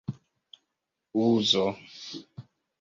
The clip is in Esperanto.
uzo